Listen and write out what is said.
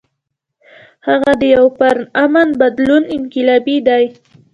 هغه د يو پُرامن بدلون انقلابي دے ۔